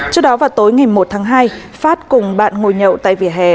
trước đó vào tối ngày một tháng hai phát cùng bạn ngồi nhậu tại vỉa hè